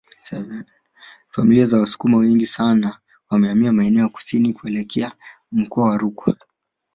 Familia za Wasukuma wengi sana wamehamia maeneo ya kusini kuelekea mkoa wa Rukwa